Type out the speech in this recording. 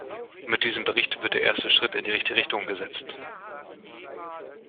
Mit diesem Bericht wird der erste Schritt in die richtige Richtung gesetzt.